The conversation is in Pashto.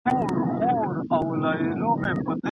تدریسي نصاب په ناڅاپي ډول نه انتقالیږي.